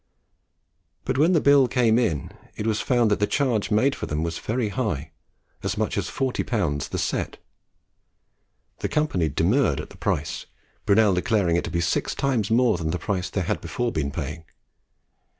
But when the bill came in, it was found that the charge made for them was very high as much as 40L. the set. The company demurred at the price, Brunel declaring it to be six times more than the price they had before been paying.